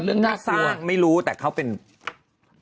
แต่เรื่องน่าสร้างไม่รู้แต่เขาเป็นเหตุการณ์